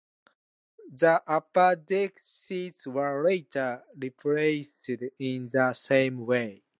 The upper-deck seats were later replaced in the same way.